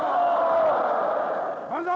万歳！